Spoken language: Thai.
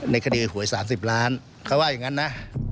ในคดีหวย๓๐ล้านเขาว่าอย่างนั้นนะ